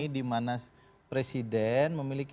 dimana presiden memiliki